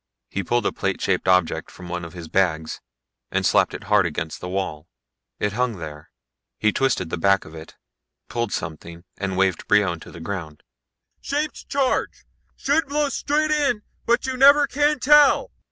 He pulled a plate shaped object from one of his bags and slapped it hard against the wall. It hung there. He twisted the back of it, pulled something and waved Brion to the ground. "Shaped charge. Should blow straight in, but you never can tell."